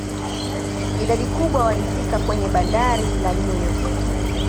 Idadi kubwa walifika kwenye bandari la New York.